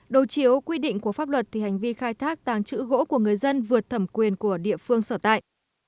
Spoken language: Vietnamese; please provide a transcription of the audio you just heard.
đầu chiếu quy định của pháp luật thì hành vi khai thác tàng trữ gỗ của người dân vượt thẩm quyền của địa phương sở tại